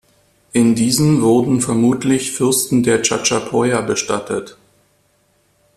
In diesen wurden vermutlich Fürsten der Chachapoya bestattet.